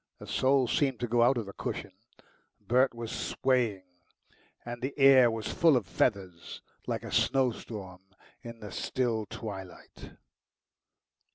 The soul seemed to go out of the cushion Bert was swaying, and the air was full of feathers, like a snowstorm in the still twilight.